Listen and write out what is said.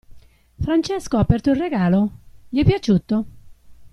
Francesco ha aperto il regalo? Gli è piaciuto?